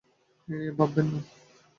আপনি এ নিয়ে ভাববেন না।